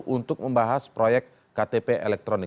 untuk membahas proyek ktp elektronik